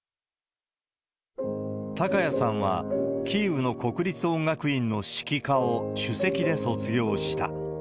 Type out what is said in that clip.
高谷さんは、キーウの国立音楽院の指揮科を首席で卒業した。